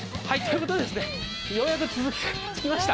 ようやく着きました。